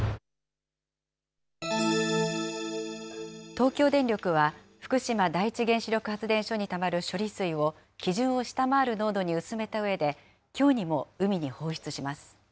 東京電力は、福島第一原子力発電所にたまる処理水を、基準を下回る濃度に薄めたうえで、きょうにも海に放出します。